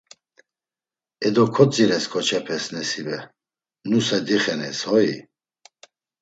E do kotzires, keç̌opes Nesibe, nusa dixenes hoi?